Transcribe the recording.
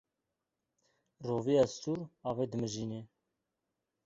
Roviya stûr avê dimijîne.